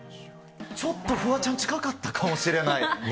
ちょっとフワちゃん、近かったかもしれない。